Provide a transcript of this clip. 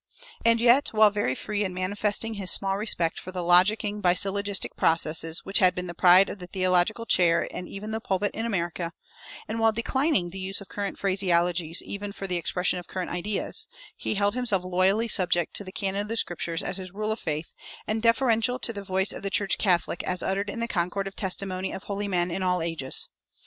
And yet, while very free in manifesting his small respect for the "logicking" by syllogistic processes which had been the pride of the theological chair and even the pulpit in America, and while declining the use of current phraseologies even for the expression of current ideas, he held himself loyally subject to the canon of the Scriptures as his rule of faith, and deferential to the voice of the church catholic as uttered in the concord of testimony of holy men in all ages.